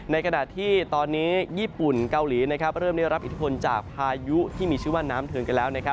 ขณะที่ตอนนี้ญี่ปุ่นเกาหลีเริ่มได้รับอิทธิพลจากพายุที่มีชื่อว่าน้ำเทินกันแล้ว